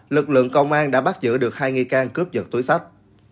lực lượng công an đã bắt giữ được hai nghi can cướp dật túi sách